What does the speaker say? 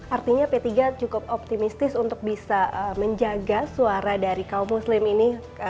artinya p tiga cukup optimistis untuk bisa menjaga suara dari kaum muslim ini dari sisi p tiga sendiri di koalisi ganjar pak